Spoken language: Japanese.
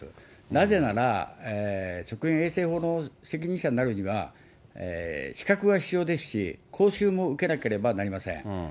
なぜなら、食品衛生法の責任者になるには、資格が必要ですし、講習も受けなければなりません。